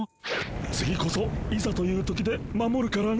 次こそ「いざという時」で守るからね！